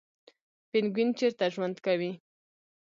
پینګوین چیرته ژوند کوي؟